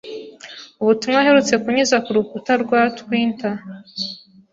Ubutumwa aherutse kunyuza ku rukuta rwa Twitter